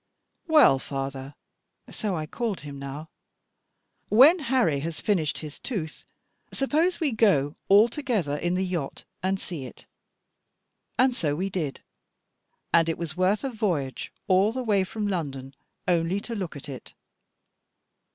"Well, father" so I called him now "when Harry has finished his tooth, suppose we go all together in the yacht and see it." And so we did; and it was worth a voyage all the way from London only to look at it.